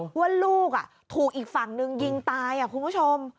ว่าลูกถูกอีกฝั่งนึงยิงตายคุณผู้ชม